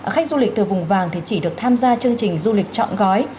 khách du lịch từ vùng vàng thì chỉ được tham gia chương trình du lịch chọn gói